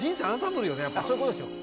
そういうことですよ。